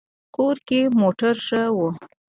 کور کې مو ټول ښه وو؟